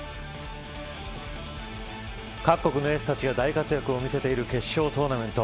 各国のエースたちが大活躍を見せている決勝トーナメント。